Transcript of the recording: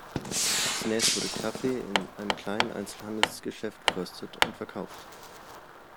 Zunächst wurde Kaffee in einem kleinen Einzelhandelsgeschäft geröstet und verkauft.